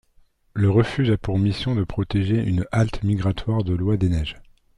Le refuge a pour mission de protéger une halte migratoire de l'Oie des neige.